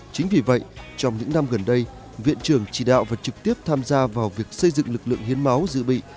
chính vì vậy trong những năm gần đây viện trưởng chỉ đạo và trực tiếp tham gia vào việc xây dựng lực lượng hiến máu dự bị